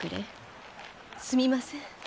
すみません。